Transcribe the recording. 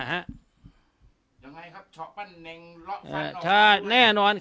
ยังไงครับเราออกมาครับชอบปันแนงลอกฟัน